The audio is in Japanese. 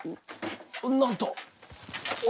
なんと！